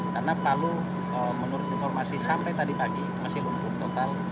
karena palu menurut informasi sampai tadi pagi masih lumpuh total